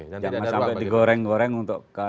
jangan sampai digoreng goreng untuk